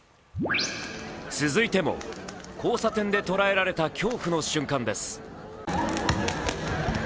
続いても交差点で捉えられた恐怖の瞬間です。